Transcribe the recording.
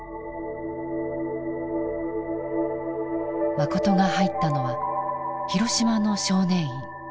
マコトが入ったのは広島の少年院。